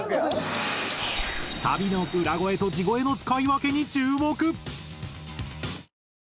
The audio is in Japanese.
サビの裏声と地声の使い分けに注目。